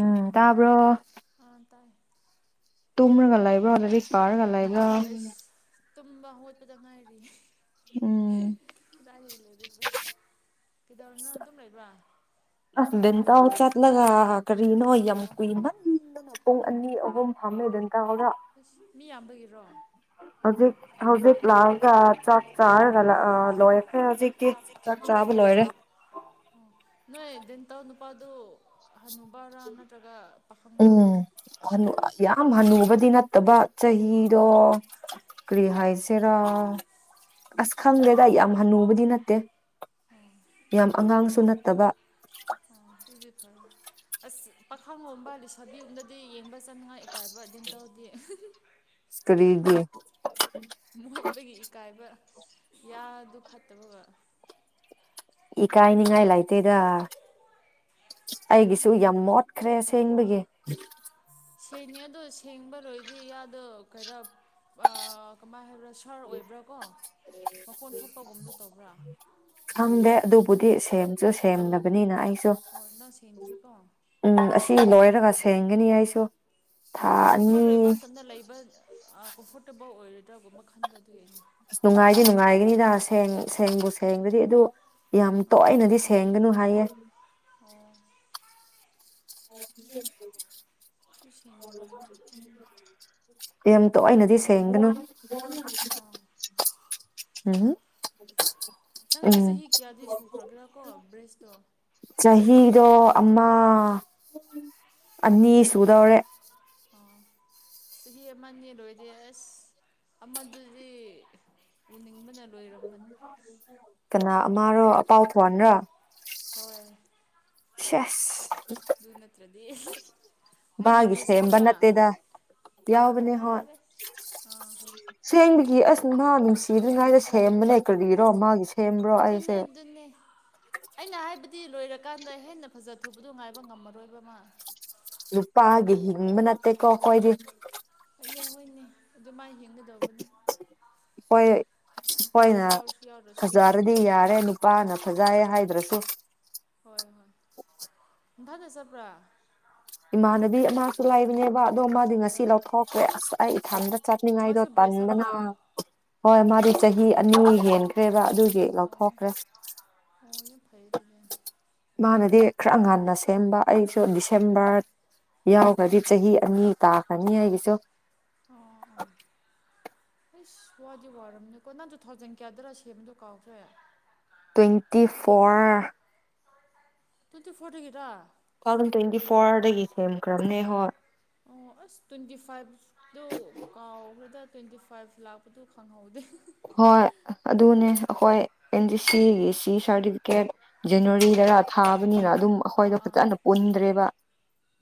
ꯎꯝ ꯇꯥꯕꯔꯣ lll ll l ꯇꯨꯝꯃꯒ ꯂꯕ꯭ꯔꯣ ꯂꯥꯏꯔꯤꯛ ꯄꯔꯥꯒ ꯂꯩꯕꯔꯣ ꯇꯨꯝꯝꯕ ꯍꯠꯄꯗꯪ ꯉꯥꯏꯔꯤ ꯎꯝ ꯀꯗꯥ ꯂꯩ ꯀꯩꯗꯧꯔꯅꯣ ꯑꯗꯨꯝ ꯂꯩꯕ꯭ꯔꯥ ꯑꯁꯗꯦꯟꯇ ꯍ ꯆꯠꯂꯒ ꯀꯔꯤꯅꯣ ꯌꯥꯝ ꯀꯨꯏ ꯄꯨꯡ ꯑꯅꯤ ꯑꯍꯨꯝ ꯐꯥꯝꯃꯦꯗ ꯑꯁ ꯃꯤ ꯌꯥꯝꯗꯒꯤꯔꯣ ꯍꯧꯖꯤꯛ ꯍꯧꯖꯤꯛ ꯂꯥꯛꯑꯦꯒ ꯆꯥꯛ ꯆꯥꯔꯒ ꯑ ꯂꯣꯏꯔꯦꯈꯦ ꯍꯧꯖꯤꯛꯀꯤ ꯆꯥꯛ ꯆꯥꯕ ꯂꯣꯏꯔꯦ ꯅꯣꯏ ꯗꯦꯟꯇ ꯅꯨꯄꯥꯗꯨ ꯍꯅꯨꯕꯔꯥ ꯅꯠꯇ꯭ꯔꯒ ꯄꯥꯈꯪꯔꯥ ꯎꯝ ꯍ ꯌꯥꯝ ꯍꯅꯨꯕꯗꯤ ꯅꯠꯇꯕ ꯆꯍꯤꯗꯣ ꯀ꯭ꯔꯤ ꯍꯥꯏꯁꯤꯔ ꯑꯁ ꯈꯪꯗ꯭ꯔꯦꯗ ꯑꯩ ꯌꯥꯝ ꯍꯅꯨꯕꯗꯤ ꯅꯠꯇꯦ ꯌꯥꯝ ꯑꯉꯥꯡꯁꯨ ꯅꯠꯇꯕ ꯑꯣ ꯑꯗꯨꯗꯤ ꯐꯔꯦ [unintelligible] ꯑꯁ ꯄꯥꯈꯪ ꯂꯣꯝꯕ ꯂꯩꯁꯥꯕꯤꯒꯝꯗꯗꯤ ꯌꯦꯡꯕ ꯆꯥꯅꯤꯉꯥꯏ ꯏꯀꯥꯏꯕ ꯑꯗꯨꯝ ꯗꯦꯟꯇꯦꯜꯗꯤ ꯏꯁ ꯀꯔꯤꯒꯤ ꯃꯣꯠꯄꯒꯤ ꯏꯀꯥꯏꯕ ꯌꯥꯗꯨ ꯐꯠꯇꯕꯒ ꯏꯀꯥꯏꯅꯤꯉꯥꯏ ꯂꯩꯇꯦꯗ ꯑꯩꯒꯤꯁꯨ ꯈꯪꯗꯦ ꯌꯥꯝ ꯃꯣꯠꯈ꯭ꯔꯦ ꯁꯦꯡꯕꯒꯤ ꯁꯦꯡꯅꯤ ꯑꯗꯣ ꯁꯦꯡꯕꯔꯣꯏꯗꯤ ꯌꯥꯗꯣ ꯈꯔ ꯀꯃꯥꯏꯅ ꯍꯥꯏꯕ꯭ꯔꯥ ꯁꯥꯔ ꯑꯣꯏꯕ꯭ꯔꯥ ꯀꯣ ꯃꯈꯣꯟ ꯊꯣꯛꯄꯒꯨꯝꯗꯨ ꯇꯧꯕ꯭ꯔꯥ ꯗꯦ ꯑꯗꯨꯕꯨꯗꯤ ꯁꯦꯝꯁꯨ ꯁꯦꯝꯅꯕꯅꯤꯅ ꯑꯩ ꯑꯣ ꯅꯪ ꯁꯦꯡꯗ꯭ꯔꯤꯀꯣ ꯑꯣ ꯎꯝ ꯑꯁꯤ ꯂꯣꯏꯔꯒ ꯁꯦꯡꯒꯅꯤ ꯑꯩꯁꯨ ꯊꯥ ꯑꯣ ꯁꯤꯃ ꯑꯅꯤ ꯂꯣꯏꯕ ꯃꯇꯝꯗ ꯂꯩꯕ ꯀꯝꯐꯣꯔꯇꯦꯕꯜ ꯑꯣꯏꯔꯣꯏꯗ꯭ꯔꯥꯒꯨꯝꯕ ꯈꯟꯕ ꯑꯗꯨ ꯌꯦꯩꯅ ꯑꯁ ꯅꯨꯡꯉꯥꯏꯗꯤ ꯅꯨꯡꯉꯥꯏꯒꯅꯤꯗ ꯁꯦꯡ ꯁꯦꯡꯕꯨ ꯁꯔꯦꯡꯗꯨꯗꯤ ꯑꯗꯨ ꯌꯥꯝ ꯑꯥ ꯇꯣꯏꯅꯗꯤ ꯁꯦꯡꯒꯅꯨ ꯍꯥꯏꯌꯦ ꯑꯣ ꯁꯤ ꯁꯦꯡꯅꯤꯡꯕꯅꯦ ꯀꯦꯝ ꯇꯣꯏꯅꯗꯤ ꯁꯦꯡꯒꯅꯨ ꯎꯝ ꯑꯥ ꯎꯝ ꯅꯪꯗꯣ ꯎꯝ ꯆꯍꯤ ꯀꯌꯥꯗꯤ ꯁꯨꯈ꯭ꯔꯒꯦꯔꯥ ꯀꯣ ꯕ꯭ꯔꯦꯁꯇꯣ ꯆꯍꯤꯗꯣ ꯑꯃ ꯑꯅꯤ ꯁꯨꯗꯧꯔꯦ [unintelligible] ꯆꯍꯤꯍ ꯑꯃ ꯌꯦ ꯔꯣꯏꯗꯁ ꯑꯃꯗꯨꯗꯤ ꯎꯅꯤꯡꯕꯅ ꯂꯣꯏꯔꯝꯃꯅꯤ ꯇꯅ ꯃꯥꯔ ꯄꯥꯎꯊꯣꯅꯔ ꯍꯣꯏ ꯁꯦꯁ ꯑꯗꯨ ꯅꯠꯇ꯭ꯔꯗꯤ ꯃꯥ ꯃꯥꯒꯤ ꯕꯤꯕꯤꯁ ꯁꯦꯝꯕ ꯌꯥꯎꯕ꯭ꯔꯥ ꯅꯠꯇꯦꯗ ꯌꯥꯎꯕꯅꯦ ꯍꯣꯏ ꯑꯥ ꯁꯦꯡ ꯒꯤ ꯑꯁ ꯃꯥ ꯅꯨꯡꯁꯤꯗ꯭ꯔꯤꯉꯥꯏꯗ ꯁꯦꯝꯕ ꯂꯩ ꯀ꯭ꯔꯔꯤꯔꯣ ꯃꯥꯒꯤꯁꯦ ꯑꯗꯨꯅꯦ ꯑꯗꯨꯅꯦ ꯑꯩꯅ ꯍꯥꯏꯕ ꯗꯤ ꯂꯣꯏꯔꯀꯥꯟꯗ ꯍꯦꯟꯅ ꯐꯖꯊꯕꯗꯣ ꯉꯥꯏꯕ ꯉꯝꯃꯔꯣꯏꯕ ꯑꯃ ꯅꯨꯄꯥ ꯍꯤꯡꯃ ꯅꯠꯇꯦꯛ ꯀꯣ ꯀꯣꯏꯗ ꯍꯣꯏꯅꯦ ꯍꯣꯏꯅꯦ ꯑꯗꯨ ꯃꯥ ꯌꯦꯡꯒꯗꯧꯕꯅꯦ ꯑꯩꯈꯣꯏ ꯑꯩꯈꯣꯏꯅ ꯌꯥꯎꯗ꯭ꯔꯁꯨ ꯌꯥꯏꯅ ꯐꯖꯔꯗꯤ ꯌꯥꯔꯦꯅꯤ ꯄꯥꯅ ꯐꯖꯩ ꯍꯥꯏꯗ꯭ꯔꯁꯨ ꯍꯣꯏ ꯍꯣꯏ ꯏꯊꯒ ꯆꯕ꯭ꯔꯥ ꯏꯃꯥꯟꯅꯕꯤ ꯑꯃꯁꯁꯨ ꯂꯩꯕꯅꯦꯕ ꯑꯗꯣ ꯃꯥꯗꯤ ꯉꯁꯤ ꯑꯣ ꯂꯧꯊꯣꯛꯈ꯭ꯔꯦ ꯑꯁ ꯑꯩ ꯊꯟꯗ ꯑꯣ ꯆꯥꯅꯤꯡꯉꯥꯏꯗꯣ ꯃꯥꯁꯨ ꯕ꯭ꯔꯦꯁ ꯄꯟꯗꯅ ꯍꯥꯞꯄ ꯍꯣꯏ ꯃꯥꯗꯤ ꯆꯍꯤ ꯑꯅꯤ ꯍꯦꯟꯒ꯭ꯔꯦ ꯕ ꯑꯗꯨꯒꯤ ꯑꯣ ꯂꯧꯊꯣꯛꯈ꯭ꯔꯦ ꯑꯣ ꯌꯥꯝ ꯐꯩ ꯑꯗꯨꯗꯤ ꯃꯥꯅꯗꯤ ꯈꯔ ꯉꯟꯅ ꯁꯦꯝꯕ ꯑꯩꯁꯨ ꯑꯣ ꯗꯤꯁꯦꯝꯕꯔ ꯌꯥꯎꯈ꯭ꯔꯗꯤ ꯆꯍꯤ ꯑꯅꯤ ꯇꯥꯈ꯭ꯔꯅꯤ ꯑꯩꯒꯤꯁꯨ ꯑꯁ ꯋꯥꯗꯤ ꯋꯥꯔꯝꯅꯤꯀꯣ ꯅꯪꯗꯣ ꯊꯥꯎꯖꯟ ꯀꯌꯥꯗ꯭ꯔꯥ ꯁꯦꯝꯕꯗꯣ ꯀꯥꯎꯗ꯭ꯔ ꯇ꯭ꯋꯦꯟꯇꯤ ꯐꯣꯔ ꯇꯨꯇꯤ ꯐꯇ ꯀꯇ ꯇꯨ ꯊꯥꯎꯖꯟ ꯇ꯭ꯋꯦꯟꯇꯤ ꯐꯣꯔꯗꯒꯤ ꯁꯦꯝꯈ꯭ꯔꯕꯅꯦ ꯍꯣꯏ ꯑꯣ ꯑꯁ ꯇ꯭ꯋꯦꯟꯇꯤ ꯐꯥꯏꯚꯇꯨ ꯀꯥꯎꯕ꯭ꯔꯗ ꯇ꯭ꯋꯦꯟꯇꯤ ꯐꯥꯏꯚ ꯂꯥꯛꯄꯗꯨ ꯈꯪꯍꯧꯗꯦ ꯍꯣꯏ ꯑꯗꯨꯅꯦ ꯑꯩꯈꯣꯏ ꯑꯦꯟ ꯖꯤ ꯁꯤꯒꯤ ꯁꯤ ꯁꯥꯔꯇꯤꯐꯤꯀꯦꯠ ꯑꯥ ꯖꯅꯋꯥꯔꯤꯗꯔ ꯊꯥꯕꯅꯤꯅ ꯑꯗꯨꯝ ꯑꯥ ꯑꯩꯈꯣꯏꯗꯣ ꯑꯥ ꯐꯖꯅ ꯄꯨꯟꯗ꯭ꯔꯦꯕ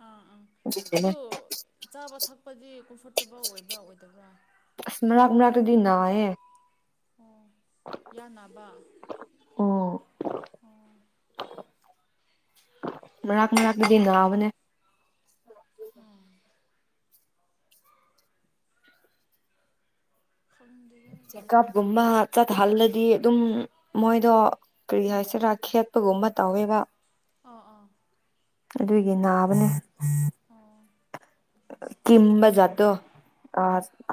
ꯑꯥ ꯑꯥ ꯑꯗꯨꯒꯤꯅꯦ ꯑꯗꯨ ꯆꯥꯕ ꯊꯛꯄꯗꯤ ꯀꯝꯐꯣꯔꯇꯦꯕꯜ ꯑꯣꯏꯕ꯭ꯔꯥ ꯑꯣꯏꯗꯕ꯭ꯔꯥ ꯁ ꯃꯔꯥꯒ ꯃꯔꯥꯒꯇꯗꯤꯅꯑ ꯑꯣ ꯌꯥꯅꯕ ꯑꯣ ꯑꯣ ꯃꯔꯥꯛ ꯃꯔꯥꯛꯀꯤꯗꯤ ꯅꯥꯕꯅꯦ ꯎꯝ ꯎꯝ ꯆꯦꯛꯀꯞꯀꯨꯝꯕ ꯆꯠꯍꯜꯂꯗꯤ ꯑꯗꯨꯝ ꯃꯣꯏꯗꯣ ꯀꯔꯤ ꯍꯥꯏꯁꯤꯔꯥ ꯈꯦꯠꯄꯒꯨꯝꯕ ꯇꯧꯋꯦꯕ ꯑ ꯑꯥ ꯑꯗꯨꯒꯤ ꯅꯥꯕꯅꯦ ꯑꯣ ꯑꯁ ꯀꯤꯝꯕ ꯀꯤꯖꯩꯍꯦ ꯖꯠꯇꯣ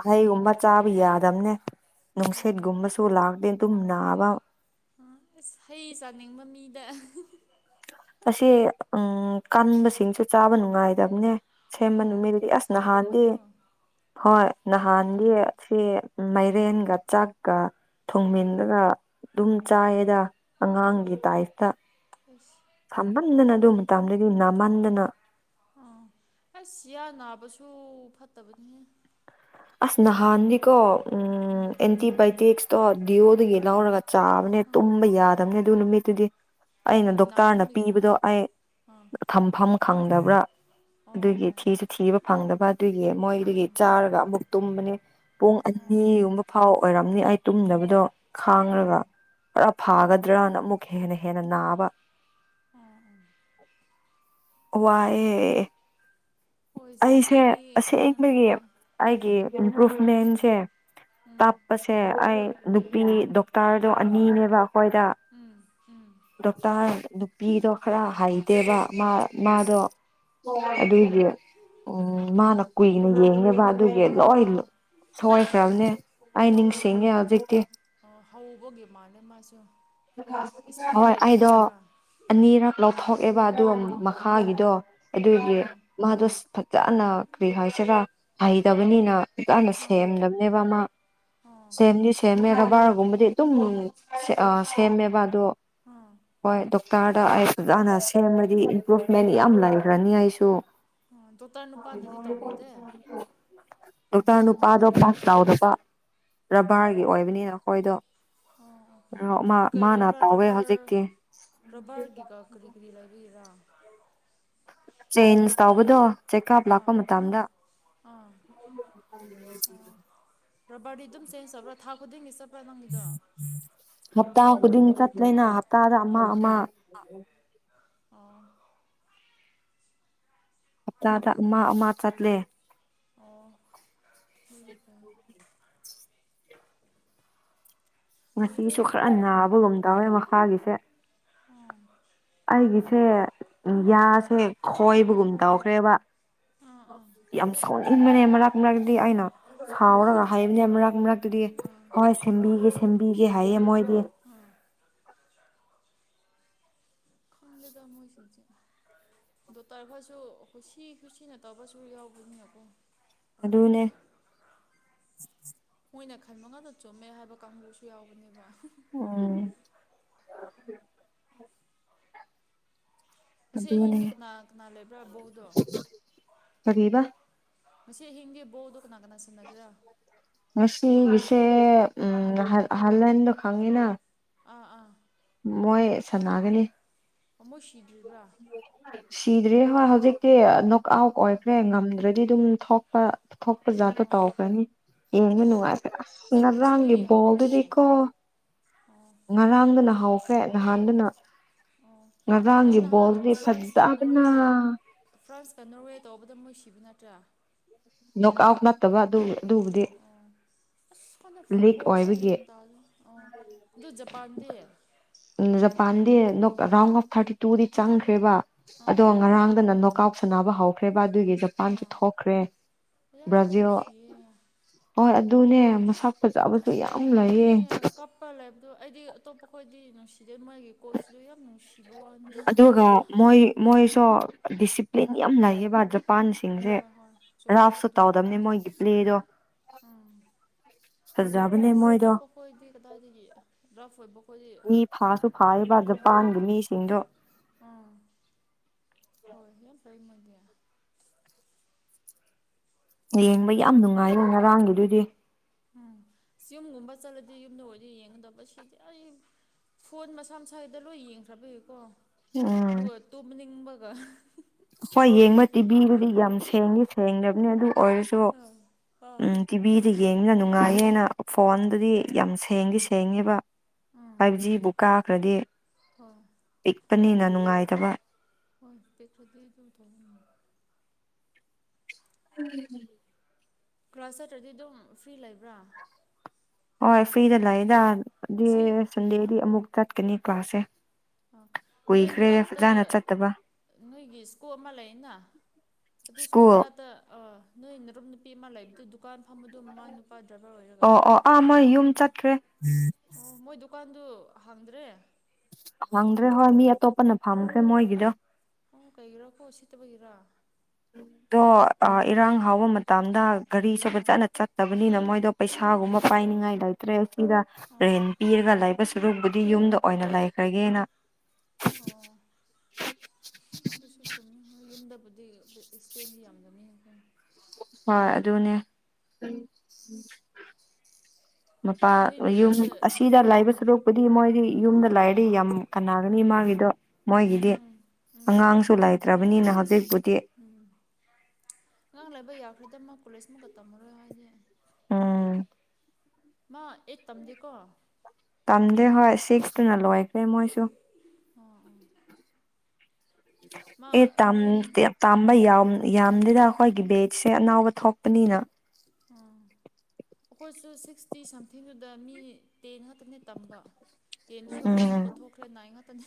ꯍꯩꯒꯨꯝꯕ ꯆꯥꯕ ꯌꯥꯗꯕꯅꯦ ꯑꯣ ꯅꯨꯡꯁꯦꯠ ꯇꯨꯝꯕꯁꯨ ꯂꯥꯛꯗ ꯇꯅꯅꯥꯕ ꯑꯁ ꯍꯩ ꯆꯥꯅꯤꯡꯕ ꯃꯤꯗ ꯑꯁꯤ ꯎꯝ ꯀꯟꯕꯁꯤꯡꯁꯨ ꯆꯥꯕ ꯅꯨꯡꯉꯥꯏꯗꯕꯅꯦ ꯁꯦꯝꯕ ꯑꯣ ꯅꯨꯃꯤꯠꯗꯨꯗꯤ ꯑꯁ ꯅꯍꯥꯟꯗꯤ ꯁꯥꯒꯨꯝꯕꯗꯣ ꯍꯣꯏ ꯅꯍꯥꯟꯒꯤ ꯑꯥ ꯑꯁꯤ ꯃꯥꯏꯔꯦꯟꯒ ꯆꯥꯛꯀ ꯊꯣꯡꯃꯟꯂꯒ ꯑꯗꯨꯝ ꯆꯥꯏꯌꯦꯗ ꯑꯣ ꯑꯉꯥꯡꯒꯤ ꯇꯥꯏꯐꯇ ꯑꯁ ꯁꯝꯃꯟꯗꯅ ꯑꯗꯨ ꯃꯇꯝꯗꯩꯗꯤ ꯝꯃꯟꯗꯅ ꯑ ꯑꯩꯁ ꯁꯤꯌꯥ ꯅꯥꯕꯁꯨ ꯐꯠꯇꯕꯅꯤ ꯑꯁ ꯅꯍꯥꯟꯗꯤꯀꯣ ꯎꯝ ꯑꯦꯟꯇꯤꯕꯥꯌꯣꯇꯤꯛꯁꯇꯣ ꯗꯤꯑꯣꯗꯒꯤ ꯂꯧꯔꯒ ꯆꯥꯕꯅꯦ ꯑꯥ ꯇꯨꯝꯕ ꯌꯥꯗꯕꯅꯦ ꯑꯗꯨ ꯅꯨꯃꯤꯠꯇꯨꯗꯤ ꯑꯩꯅ ꯑꯣ ꯗꯣꯛꯇꯔꯅ ꯅꯥꯃꯟꯕꯒꯤꯔꯥ ꯄꯤꯕꯗꯣ ꯑꯩ ꯊꯝꯐꯝ ꯈꯪꯗꯕ꯭ꯔꯥ ꯑꯗꯨꯒꯤ ꯊꯤꯁꯨ ꯊꯤꯕ ꯐꯪꯗꯕ ꯑꯗꯨꯒꯤ ꯃꯣꯏꯗꯨꯒꯤ ꯆꯥꯔꯒ ꯑꯃꯨꯛ ꯇꯨꯝꯕꯅꯤ ꯄꯨꯡ ꯍꯣꯏ ꯑꯅꯤꯒꯨꯝꯕ ꯐꯥꯎ ꯑꯣꯏꯔꯝꯅꯤ ꯑꯩ ꯇꯨꯝꯗꯕꯗꯣ ꯈꯥꯡꯂꯒ ꯑꯣꯔ ꯐꯥꯒꯗ꯭ꯔꯥꯅ ꯑꯃꯨꯛꯅꯦ ꯍꯦꯟꯅ ꯅꯥꯕ ꯋꯥꯏꯌꯦ ꯆꯍꯤ ꯑꯩꯁꯦ ꯑꯅꯤ ꯐꯥꯅ ꯑꯁꯦꯡꯕꯒꯤ ꯂꯩꯕꯁꯦ ꯑꯩꯒꯤ ꯏꯝꯄ꯭ꯔꯨꯚꯃꯦꯟꯁꯦ ꯎꯝ ꯇꯥꯞꯄꯁꯦ ꯑꯩ ꯅꯨꯄꯤ ꯗꯣꯛꯇꯔꯗꯣ ꯑꯅꯤꯅꯦꯕ ꯑꯩꯈꯣꯏꯗ ꯎꯝ ꯎꯝ ꯗꯣꯛꯇꯔ ꯅꯨꯄꯤꯗꯣ ꯈꯔ ꯍꯩꯗꯦꯕ ꯃꯥ ꯑꯣ ꯃꯥꯗꯣ ꯑꯗꯨꯏꯗꯤ ꯎꯝ ꯃꯥꯅ ꯀꯨꯏꯅ ꯌꯦꯡꯅꯕ ꯑꯗꯨ ꯂꯣꯏ ꯑꯥ ꯁꯑꯣꯏꯈ꯭ꯔꯕꯅꯦ ꯑꯩ ꯅꯤꯡꯁꯤꯡꯉꯦ ꯍꯧꯖꯤꯛꯇꯤ ꯎ ꯃꯥꯟ ꯃꯥꯁꯨ ꯍꯣꯏ ꯑꯦꯛꯁꯄꯤꯔꯤꯌꯦꯟ ꯑꯩꯗꯣ ꯂꯩꯇꯕꯒꯤꯔ ꯑꯅꯤꯔꯛ ꯂꯧꯊꯣꯛꯑꯦꯕ ꯑꯗꯨ ꯑꯥ ꯃꯈꯥꯒꯤꯗꯣ ꯑꯗꯨꯒꯤ ꯑꯥ ꯃꯥꯗꯣ ꯐꯖꯅ ꯀ꯭ꯔꯤ ꯍꯥꯏꯁꯤꯔ ꯍꯩꯇꯕꯅꯤꯅ ꯏꯖꯅ ꯑꯥ ꯁꯦꯝꯗꯕꯅꯦꯕ ꯑꯃ ꯑꯥ ꯁꯦꯝꯗꯤ ꯁꯦꯝꯃꯦ ꯕꯥꯔꯒꯨꯝꯕꯗꯤ ꯑꯗꯨꯝ ꯁꯦꯝꯃꯦꯕ ꯑꯣ ꯑꯥ ꯍꯣꯏ ꯇꯥꯔꯗ ꯑꯩ ꯐꯖꯥꯅ ꯁꯦꯝꯃꯗꯤ ꯏꯝꯄ꯭ꯔꯨꯚꯃꯦꯟ ꯌꯥꯝ ꯂꯩꯈ꯭ꯔꯅꯤ ꯑꯩꯁꯨ ꯑꯥ ꯗꯣꯛꯇꯔ ꯅꯨꯄꯥꯅꯗꯤ ꯇꯧꯕꯤꯗꯦ ꯑ ꯇꯅ ꯅꯨ ꯄꯗ ꯄꯥꯁ ꯂꯥꯎꯎꯗ ꯄ ꯕꯥꯔꯒꯤ ꯑꯣ ꯑꯣꯏꯕꯅꯤꯅ ꯑꯩꯈꯣꯏꯗꯣ ꯃꯔꯨꯞ ꯑꯃ ꯀꯩꯀꯩ ꯃꯥꯅ ꯇꯧꯋꯦ ꯍꯧꯖꯤꯛꯇꯤ ꯂꯩꯕ꯭ꯔꯥꯔꯕꯔꯔꯕꯔꯒꯤꯀ ꯀꯔꯤ ꯀꯔꯤ ꯂꯩꯕꯤꯔꯥ ꯆꯦꯟꯖ ꯇꯧꯕꯗꯣ ꯆꯦꯛꯑꯞ ꯑꯥ ꯂꯥꯛꯄ ꯃꯇꯝꯗ ꯔ ꯕꯗꯤ ꯑꯗꯨꯝ ꯆꯦꯟꯖꯕ꯭ꯔ ꯊꯥ ꯈꯨꯗꯤꯡꯒꯤꯁ ꯍꯞꯇꯥ ꯈꯨꯗꯤꯡ ꯆꯠꯂꯅ ꯍꯞꯇꯥꯗ ꯑꯃ ꯑꯃ ꯎ ꯑꯣ ꯍꯞꯇꯥꯗ ꯑꯃ ꯑꯃ ꯆꯠꯂꯦ ꯑꯣ ꯍꯒꯤ ꯇ ꯉꯁꯤꯁꯨ ꯈꯔ ꯅꯥꯕꯒꯨꯝ ꯇꯎꯋꯦ ꯃꯈꯥꯒꯤꯁꯦ ꯎꯝ ꯑꯩꯒꯤꯁꯦ ꯌꯥꯁꯦ ꯈꯣꯏꯕꯒꯨꯝ ꯇꯧꯈ꯭ꯔꯦꯕ ꯑꯥ ꯑꯥ ꯌꯥꯝ ꯁꯥꯎꯅ ꯏꯟꯕꯅꯦ ꯃꯔꯛ ꯃꯔꯛꯇꯗꯤ ꯑꯩꯅ ꯁꯥꯎꯔꯒ ꯍꯥꯏꯕꯅꯦ ꯃꯔꯛ ꯃꯔꯛꯇꯨꯗꯤ ꯍꯣꯏ ꯁꯦꯝꯕꯤꯒꯦ ꯁꯦꯝꯕꯤꯒꯦ ꯍꯥꯏꯌꯦ ꯃꯣꯏ ꯍ ꯈꯪꯗꯦ ꯇꯃꯣꯁꯤ ꯗꯣꯛꯇꯔ ꯈꯔꯁꯨ ꯈꯨꯠꯁꯤ ꯈꯨꯠꯁꯤꯅ ꯇꯧꯕꯁꯨ ꯌꯥꯎꯕꯅꯤꯅꯀꯣ ꯑꯗꯨꯗꯅꯦ ꯃꯈꯜ ꯃꯉꯥꯗ ꯆꯨꯝꯃꯦ ꯍꯥꯏꯕ ꯀꯥꯡꯕꯨꯁꯨ ꯌꯥꯎꯕꯅꯦꯕ ꯝ ꯑꯁꯤ ꯑꯗꯨꯅꯦ ꯑꯍꯤꯡꯁꯦ ꯀꯅꯥ ꯀꯅꯥ ꯂꯩꯕ꯭ꯔꯥ ꯕꯧꯗꯣ ꯀꯔꯤꯕ ꯃꯁꯦ ꯍꯤꯡꯒꯦ ꯣꯗ ꯀꯅꯥ ꯀꯅꯥ ꯁ ꯅꯒ꯭ꯔ ꯉꯁꯤꯒꯤꯁꯦ ꯎꯝ ꯍꯜꯂꯗ ꯈꯥꯡꯉꯦꯅ ꯑꯥ ꯑꯥ ꯃꯣꯏ ꯁꯝꯅꯒꯅꯤ ꯑꯃꯃꯁꯤ ꯁꯤꯗ꯭ꯔꯤ ꯍꯣꯏ ꯍꯧꯖꯤꯛꯇꯤ ꯅꯣꯛ ꯑꯥꯎꯠ ꯑꯣꯏꯈ꯭ꯔꯦ ꯉꯝꯗ꯭ꯔꯗꯤ ꯑꯗꯨꯝ ꯊꯣꯛꯄ ꯊꯣꯛꯄ ꯖꯥꯠꯇꯣ ꯇꯧꯈ꯭ꯔꯅꯤ ꯏ ꯑꯣ ꯃꯅ ꯍꯣꯏ ꯑꯁ ꯉꯔꯥꯡꯒꯤ ꯉꯁꯤꯗꯒꯤ ꯍꯧꯈ꯭ꯔꯅꯤ ꯣꯜꯗꯗꯤꯀꯣ ꯉꯔꯥꯡꯗꯅ ꯍꯥꯎꯈ꯭ꯔꯦ ꯅꯍꯥꯟꯗꯅ ꯑꯗꯨ ꯉꯔꯥꯡꯒꯤ ꯅꯍꯥꯟ ꯕꯣꯜꯗꯤ ꯐ꯭ꯔꯥꯟꯁꯀ ꯐꯖꯕꯅ ꯅꯣꯔꯋꯦ ꯐ꯭ꯔꯥꯟꯁꯀ ꯅꯣꯔꯋꯦ ꯇꯧꯕꯗ ꯃꯣꯏ ꯁꯤꯕ ꯅꯠꯇ꯭ꯔꯥ ꯣꯛ ꯑꯥꯎ ꯅꯠꯇꯕ ꯑꯗꯨ ꯑꯗꯨꯕꯨꯗꯤ ꯑꯁ ꯀꯥꯟꯗ ꯂꯤꯛ ꯐꯨꯠꯕꯣꯜꯁꯨ ꯑꯣꯏꯕꯒꯤ ꯌꯦꯡ ꯇꯥꯔꯦ ꯑ ꯑꯗꯨ ꯖꯄꯥꯟꯗꯤ ꯖꯄꯥꯟ ꯔꯥꯎꯟ ꯑꯣꯐ ꯊꯥꯔꯇꯤ ꯇꯨꯗꯤ ꯆꯪꯈ꯭ꯔꯦꯕ ꯑꯗꯣ ꯉꯔꯥꯡꯗꯅ ꯅꯣꯛ ꯑꯥꯎꯠ ꯁꯥꯟꯅꯕ ꯍꯧꯈ꯭ꯔꯦꯕ ꯑꯗꯨꯒꯤ ꯖꯄꯥꯟꯁꯨ ꯑꯥ ꯊꯣꯛꯈ꯭ꯔꯦ ꯌꯥꯝ ꯕ꯭ꯔꯥꯖꯤꯜ ꯅꯨꯡꯁꯤꯌꯦ ꯍꯣꯏꯣꯏ ꯑꯗꯨ ꯑꯗꯨꯅꯦ ꯃꯁꯥ ꯐꯖꯕ ꯑꯗꯨꯅꯦ ꯀꯞꯄ ꯂꯩꯕꯗꯣ ꯑꯩꯗꯤ ꯑꯇꯣꯞꯄꯈꯣꯏꯗꯤ ꯅꯨꯡꯁꯤ ꯑꯗꯨ ꯃꯥꯒꯤ ꯀꯣꯜꯁꯤꯁꯨ ꯌꯥꯝ ꯅꯨꯡꯁꯤꯕ ꯋꯥꯟꯗ ꯑꯗꯨꯒ ꯃꯣꯏ ꯃꯣꯏꯁꯨ ꯗꯤꯁꯤꯄ꯭ꯂꯤꯟ ꯌꯥꯝ ꯂꯩꯌꯦꯕ ꯖꯄꯥꯟꯁꯤꯡꯁꯦ ꯍꯣꯏ ꯍꯣꯏ ꯆꯨꯝꯃꯦ ꯔꯥꯞꯁꯨ ꯑꯗꯨꯒꯤ ꯇꯥꯎꯗꯝꯕꯅꯦ ꯃꯣꯏꯒꯤ ꯄ꯭ꯂꯦꯗꯣ ꯐꯖꯕꯅꯦ ꯑ ꯁꯇꯣ ꯃꯣꯏꯗꯣ ꯄꯀꯣꯏꯗꯤ ꯀꯗꯥꯗꯒꯤ ꯔꯐ ꯑꯣꯏ ꯄ ꯃꯤ ꯐꯥꯁꯨ ꯐꯥꯕ ꯄꯥꯟꯒꯤ ꯃꯤꯁꯤꯡꯗꯣ ꯎꯝ ꯍꯣꯏ ꯌꯥꯝ ꯐ ꯃꯅꯦ ꯌꯦꯡꯕ ꯌꯥꯝ ꯅꯨꯡꯉꯥꯏꯌꯦ ꯉꯔꯥꯡꯒꯤꯗꯨꯗꯤ ꯎꯝ ꯌꯨꯝꯒꯨꯝꯕ ꯆꯠꯂꯗꯤ ꯌꯨꯝꯗ ꯑꯣꯏꯗꯤ ꯌꯦꯡꯒꯗꯕ ꯁꯤꯗꯤ ꯑꯩ ꯐꯣꯟ ꯃꯁꯥ ꯃꯁꯥꯒꯤꯗ ꯂꯣꯏ ꯌꯦꯡꯈ꯭ꯔꯕꯀꯣ ꯎꯝ ꯑꯗꯨꯒ ꯇꯨꯝꯅꯤꯡꯕꯒ ꯍꯣꯏ ꯌꯦꯡꯕ ꯇꯤꯕꯤꯤꯗꯨꯗꯤ ꯌꯥꯝ ꯁꯦꯡꯉ ꯁꯦꯡꯗꯕꯅꯤ ꯑꯗꯨ ꯑꯣꯏꯔꯁꯨ ꯑꯥ ꯎꯝ ꯇꯤꯚꯤꯗꯒꯤ ꯌꯦꯡꯉꯅ ꯅꯨꯡꯉꯥꯏꯌꯦꯅ ꯐꯣꯟꯗꯨꯗꯤ ꯌꯥꯝ ꯁꯦꯡꯗꯤ ꯁꯦꯡꯉꯦꯕ ꯎꯝ ꯐꯥꯏꯚ ꯖꯤꯕꯨ ꯀꯥꯈ꯭ꯔꯗꯤ ꯍꯣꯏ ꯄꯤꯛꯄꯅꯤꯅ ꯅꯨꯡꯉꯥꯏꯇꯕ ꯍꯣꯏ ꯄꯤꯛꯄꯗꯤ ꯑꯗꯨꯝ ꯇꯧꯅꯤ ꯎꯝ ꯀ꯭ꯂ꯭ꯔꯥꯁ ꯆꯠꯇ꯭ꯔꯗꯤ ꯑꯗꯨꯝ ꯐ꯭ꯔꯤ ꯂꯩꯕ꯭ꯔꯥ ꯍꯣꯏ ꯐ꯭ꯔꯤꯗ ꯂꯥꯛꯗꯥ ꯑꯗꯨ ꯁꯤ ꯁꯟꯗꯦꯗꯤ ꯑꯃꯨꯛ ꯆꯠꯀꯅꯤ ꯀ꯭ꯂꯥꯁꯁꯦ ꯑ ꯅꯣꯏ ꯀꯨꯏꯈ꯭ꯔꯦ ꯃꯅꯥꯛꯇ ꯐꯖꯅ ꯆꯠꯇꯕ ꯅꯣꯏꯒꯤ ꯁꯀꯣꯞ ꯑꯃ ꯂꯩꯅ ꯑꯗꯨ ꯁ꯭ꯀꯨꯜ ꯁꯀꯣꯝꯅꯥꯗ ꯑ ꯅꯣꯏ ꯅꯔꯝ ꯅꯨꯄꯤ ꯑꯃ ꯂꯩꯕꯗꯨ ꯗꯨꯀꯥꯟ ꯐꯝꯕꯗꯣ ꯃꯥ ꯅꯨ ꯑꯣ ꯑꯣ ꯑꯥ ꯃꯣꯏ ꯌꯨꯝ ꯆꯠꯇꯈ꯭ꯔꯦ ꯑꯣ ꯃꯣꯏ ꯗꯨꯀꯥꯟꯗꯨ ꯍꯥꯡꯗ꯭ꯔꯦ ꯐꯪꯗ꯭ꯔꯦ ꯍꯣꯏ ꯃꯤ ꯑꯇꯣꯞꯄꯅ ꯐꯝꯈ꯭ꯔꯦ ꯃꯣꯏꯒꯤꯗꯣ ꯎ ꯀꯩꯒꯤꯔꯥ ꯀꯣ ꯁꯤꯠꯇꯕꯒꯤꯔ ꯑꯣ ꯏꯔꯥꯡ ꯍꯥꯎꯕ ꯃꯇꯝꯗ ꯒꯥꯔꯤ ꯁꯣꯄ ꯑꯣ ꯆꯠꯅ ꯆꯠꯇꯕ ꯅ ꯃꯣꯏꯗꯣ ꯄꯩꯁꯥꯒꯨꯝꯕ ꯄꯥꯏꯅꯤꯡꯉꯥꯏ ꯂꯩꯇ꯭ꯔꯦ ꯑꯁꯤꯗ ꯑꯣ ꯔꯦꯟ ꯄꯤꯔꯒ ꯁꯔꯨꯛꯕꯨꯗꯤ ꯌꯨꯝꯗ ꯑꯣꯏꯅ ꯂꯩꯈ꯭ꯔꯒꯦꯅ ꯑꯣ ꯗꯤ ꯑꯦꯛꯁꯄꯦꯟꯗꯤ ꯌꯥꯝꯗꯅꯤ ꯈ ꯍꯣꯏ ꯑꯗꯨꯅꯦ ꯃꯄꯥ ꯅꯣꯏ ꯌꯨꯝ ꯂꯩꯀꯥꯏꯗ ꯑꯁꯤꯗ ꯂꯥꯏꯕ ꯑꯥ ꯁꯣꯔꯣꯛꯄꯨꯗꯤ ꯃꯣꯏꯗꯤ ꯌꯨꯝꯗ ꯂꯥꯏꯔꯗꯤ ꯌꯥꯝ ꯀꯥꯟꯅꯥꯒꯅꯤ ꯃꯥꯒꯤꯗꯣ ꯃꯣꯏꯒꯤꯗꯤ ꯎꯝ ꯑꯉꯥꯡꯁꯨ ꯂꯩꯇ꯭ꯔꯕ ꯅꯍꯥꯛ ꯎꯝ ꯑꯉꯥꯡ ꯂꯩꯥꯏꯕ ꯌꯥꯈ꯭ꯔꯦꯗ ꯑꯃꯨ ꯀꯣꯂꯦꯖꯃꯨꯛꯀ ꯇꯝꯃꯔꯣꯏ ꯍꯥꯏꯁꯦ ꯑꯝ ꯃꯥ ꯑꯦ ꯇꯝꯗꯦꯀꯣ ꯇꯝꯗꯦ ꯍꯣꯏ ꯁꯤꯛꯁꯇꯨꯅ ꯂꯣꯏꯈ꯭ꯔꯦ ꯃꯣꯏꯁꯨ ꯑꯣ ꯑꯣ ꯑꯦ ꯇꯝ ꯇꯝꯕꯩ ꯌꯥ ꯌꯥꯝꯗꯦꯗ ꯑꯩꯈꯣꯏꯒꯤ ꯕꯦꯠꯁꯦ ꯑꯅꯥꯕ ꯊꯣꯛꯄꯅꯤꯅ ꯑꯩꯈꯣꯏꯁꯨ ꯁꯤꯛꯁꯇꯤ ꯁꯝꯊꯤꯡꯗꯨꯗ ꯃꯤ ꯇꯦꯟ ꯉꯥꯛꯇꯅꯦ ꯇꯝꯕ ꯌꯦꯟꯗꯨꯁꯨ ꯑꯃꯃꯨꯛ ꯎꯝ ꯀꯠꯊꯣꯛꯈ꯭ꯔꯦ ꯅꯥꯏ ꯉꯥꯛꯇꯅꯤ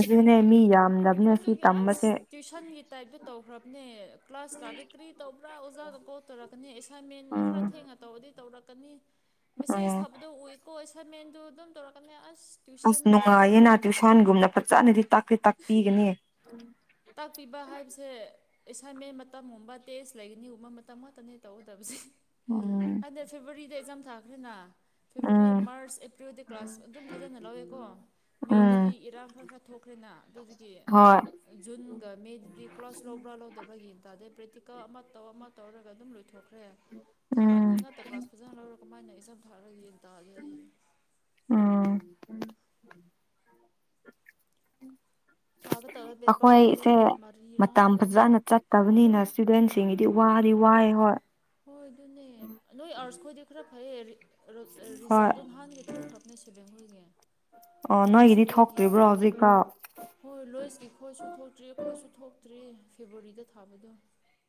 ꯑꯗꯨꯅꯦ ꯃꯤ ꯌꯥꯝꯗꯕꯅꯦ ꯁꯤ ꯑꯗꯨꯒꯤ ꯑꯁ ꯇꯝꯕꯁꯦ ꯇ꯭ꯋꯁꯟꯒꯤ ꯇꯥꯏꯞꯇ ꯇꯧꯈ꯭ꯔꯕꯅꯦ ꯀ꯭ꯂꯥꯁ ꯂꯥꯗ ꯀꯔꯤ ꯇꯧꯕ ꯄꯨꯔꯥ ꯑꯣꯖꯥꯒ ꯀꯣ ꯇꯧꯔꯛꯀꯅꯤ ꯑꯦꯁꯥꯏꯟꯃꯦꯟ ꯎꯝ ꯈꯔ ꯊꯦꯡꯅ ꯇꯧꯕꯔꯗꯤ ꯇꯧꯔꯛꯀꯅꯤ ꯑꯣ ꯃꯦꯁꯦꯁ ꯊꯕꯗꯣ ꯎꯏꯀꯣ ꯑꯦꯁꯥꯏꯟꯃꯦꯟꯗꯨ ꯑꯗꯨꯝ ꯇꯧꯔꯛꯀꯅꯤ ꯑꯁ ꯇ꯭ꯋꯏꯁꯟ ꯑꯁ ꯂꯧꯕꯒ ꯆꯞ ꯅꯨꯡꯉꯥꯏꯌꯦꯅ ꯃꯥꯟꯅꯈ꯭ꯔꯕꯅꯤ ꯇ꯭ꯨꯁꯥꯟꯒꯨꯝꯅ ꯐꯖꯅꯗꯤ ꯇꯥꯛꯄꯤ ꯇꯥꯛꯄꯤꯒꯅꯤ ꯇꯥꯛꯄꯤꯕ ꯍꯥꯏꯕꯁꯦ ꯑꯦꯁꯥꯏꯟꯃꯦꯟ ꯃꯇꯝꯒꯨꯝꯕ ꯇꯦꯁ ꯂꯩꯒꯅꯤꯒꯨꯝꯕ ꯃꯇꯝ ꯉꯥꯛꯇꯅꯦ ꯇꯧꯒꯗꯕꯁꯦ ꯎꯝ ꯑꯗ ꯐꯦꯕꯋꯥꯔꯤꯗ ꯑꯦꯛꯖꯥꯝ ꯊꯥꯈ꯭ꯔꯦꯅ ꯐꯦꯕꯋꯥꯔꯤ ꯎꯝ ꯃꯥꯔꯆ ꯑꯦꯄ꯭ꯔꯤꯜꯗꯤ ꯀ꯭ꯂꯥꯁ ꯑꯗꯨꯝ ꯐꯖꯅ ꯂꯧꯋꯦꯀꯣ ꯎꯝ ꯃꯦꯗꯗꯤ ꯏꯔꯥꯡ ꯈꯔ ꯈꯔ ꯊꯣꯛꯈ꯭ꯔꯦ ꯑꯗꯨꯅ ꯑꯗꯨꯗꯒꯤ ꯍꯣꯏ ꯖꯨꯟꯒ ꯃꯦꯗꯨꯗꯤ ꯀ꯭ꯂꯥꯁ ꯂꯧꯕ꯭ꯔꯥ ꯂꯧꯗꯕ꯭ꯔꯥꯒꯤꯟ ꯇꯥꯗꯩ ꯄ꯭ꯔꯦꯛꯇꯤꯀꯜ ꯑꯃ ꯇꯧ ꯑꯃ ꯇꯧꯔꯒ ꯑꯗꯨꯝ ꯂꯣꯏꯊꯣꯛꯦ ꯈ꯭ꯔꯦ ꯊꯥ ꯑꯅꯤ ꯎꯝ ꯉꯥꯛꯇ ꯀ꯭ꯂꯥꯁ ꯐꯖꯅ ꯂꯧꯔ ꯀꯃꯥꯏꯅ ꯏꯆꯝ ꯊꯥꯔꯒꯦ ꯎꯝ ꯊꯥꯒꯗꯕ ꯄꯦꯄꯔꯗꯤ ꯑꯩꯈꯣꯏꯁꯦ ꯃꯔꯤꯔꯥ ꯉꯥꯛꯇ ꯃꯇꯝ ꯑꯣꯏꯅꯤ ꯐꯖꯅ ꯆꯠꯇꯕꯅꯤꯅ ꯏꯁꯇꯨꯗꯦꯟꯁꯤꯡꯒꯤꯗꯤ ꯋꯥ ꯋꯥꯏ ꯍꯣꯏ ꯍꯣꯏ ꯑꯗꯨꯅꯦ ꯅꯣꯏ ꯑꯥꯔꯁ ꯈꯣꯏꯗꯤ ꯈꯔ ꯐꯩ ꯍꯣꯏ ꯔꯤꯖꯥꯗꯣ ꯅꯍꯥꯟꯒꯤ ꯊꯣꯛꯈ꯭ꯔꯕꯅꯦ ꯁ ꯕꯦꯡꯒꯣꯏꯜꯒꯤ ꯑꯣ ꯂꯣꯏꯁ ꯅꯣꯏꯒꯤꯗꯤ ꯈꯣꯏꯒꯤ ꯊꯣꯛꯇ꯭ꯔꯤꯕ꯭ꯔꯣ ꯍꯧꯖꯤꯛꯐꯥꯎ ꯍꯣꯏꯣꯏ ꯂꯣꯏꯁꯀꯤ ꯈꯣꯏꯁꯨ ꯊꯣꯛꯇ꯭ꯔꯤ ꯈꯣꯏꯁꯨ ꯇꯔꯦ ꯐꯦꯕꯋꯥꯔꯤꯗ ꯊꯥꯕꯗꯣ